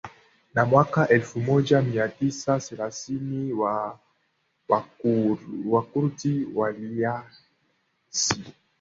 na mwaka elfumoja miatisa thelathini Wakurdi waliasi